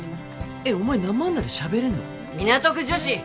えっお前なまんないで喋れんの港区女子！？